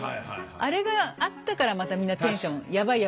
あれがあったからまたみんなテンションヤバい